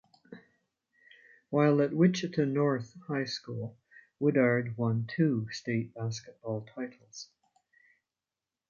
While at Wichita North High School, Woodard won two state basketball titles.